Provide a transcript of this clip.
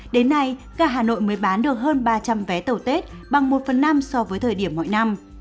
đến nay gà hà nội mới bán được hơn ba trăm linh vé tàu tết bằng một phần năm so với thời điểm mọi năm